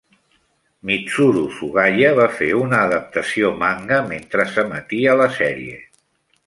Mitsuru Sugaya va fer una adaptació manga mentre s'emetia la sèrie.